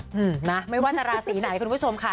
อืมนะไม่ว่าจะราศีไหนคุณผู้ชมค่ะ